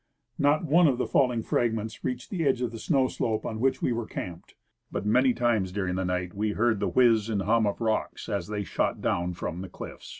Not one of the fall ing fragments reached the edge of the snow slope on Avhich Ave were camped, but many times during the night Ave heard the Avliiz and hum of the rocks as they shot doAvn from the cliffs.